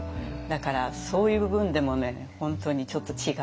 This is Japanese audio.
だからそういう部分でもね本当にちょっと違う。